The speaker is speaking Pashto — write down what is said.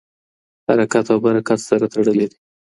حرکت او برکت سره تړلي دي.